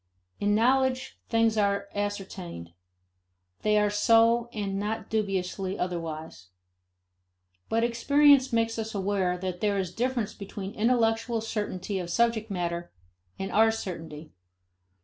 In knowledge, things are ascertained; they are so and not dubiously otherwise. But experience makes us aware that there is difference between intellectual certainty of subject matter and our certainty.